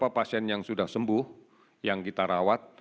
berapa pasien yang sudah sembuh yang kita rawat